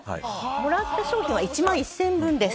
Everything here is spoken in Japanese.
もらった商品は１万１０００円分です。